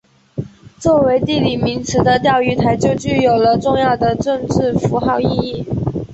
作为地理名词的钓鱼台就具有了重要的政治符号意义。